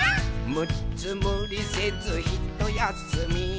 「むっつむりせずひとやすみ」